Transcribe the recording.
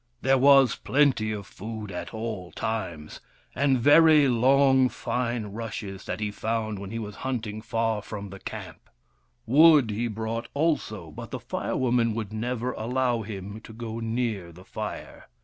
There was plenty of food at all times, and very long fine rushes that he found when he was hunting far from 246 WURIP, THE FIRE BRINGER the camp. Wood he brought also, but the Fire Women would never allow him to go near the fire.